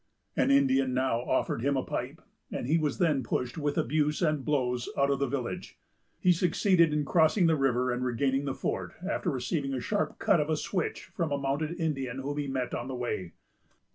An Indian now offered him a pipe, and he was then pushed with abuse and blows out of the village. He succeeded in crossing the river and regaining the fort, after receiving a sharp cut of a switch from a mounted Indian whom he met on the way.